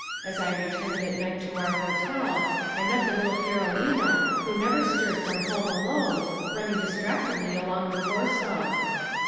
As I returned at night to our hotel, I met the little Carolina, who never stirred from home alone, running distractedly along the Corso.